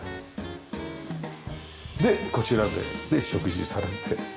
でこちらで食事されて。